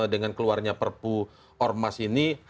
dengan keluarnya perpu ormas ini